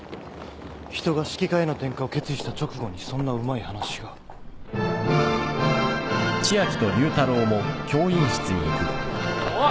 人が指揮科への転科を決意した直後にそんなうまい話が。おい！